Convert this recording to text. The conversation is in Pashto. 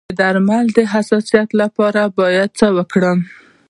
د درملو د حساسیت لپاره باید څه وکړم؟